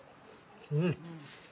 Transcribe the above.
うん。